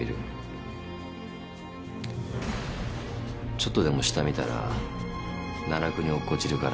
ちょっとでも下見たら奈落に落っこちるから。